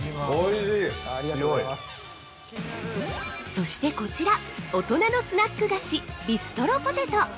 ◆そしてこちら、大人のスナック菓子「ビストロポテト」！